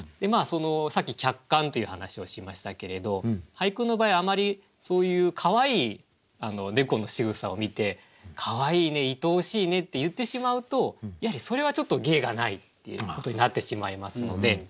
さっき客観という話をしましたけれど俳句の場合あまりそういうかわいい猫のしぐさを見てかわいいねいとおしいねって言ってしまうとやはりそれはちょっと芸がないっていうことになってしまいますので。